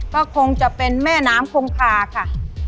ก็คงจะเป็นแม่น้ำคงคาค่ะ